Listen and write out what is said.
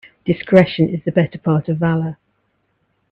Discretion is the better part of valour.